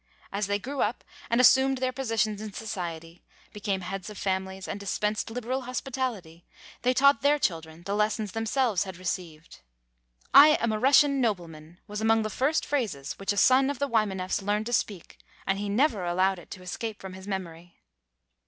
As they grow up and assumed their positions in society, became heads of families, and dispensed liberal hospitality, they taught their children the lessons themselves had received. ''I am a Russian nobleman,*' was among the first phrases which a son ot the * Wymanefis learned to speak, and he never allowed it to escape from his memory.